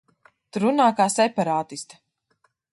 Tu runā kā separātiste.